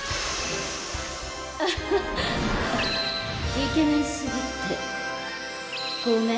イケメンすぎてごめん！